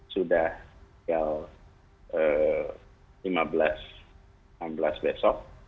sudah tanggal lima belas enam belas besok